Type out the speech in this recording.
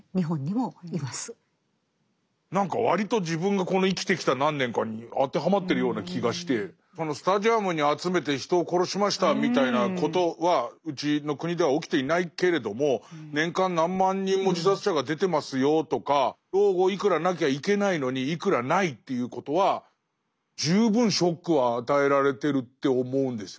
何か割と自分がこの生きてきた何年かに当てはまってるような気がしてそのスタジアムに集めて人を殺しましたみたいなことはうちの国では起きていないけれども年間何万人も自殺者が出てますよとか老後いくらなきゃいけないのにいくらないということは十分ショックは与えられてるって思うんですよね。